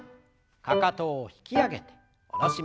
かかとを引き上げて下ろします。